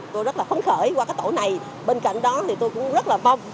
tôi rất là phấn khởi qua cái tổ này bên cạnh đó thì tôi cũng rất là mong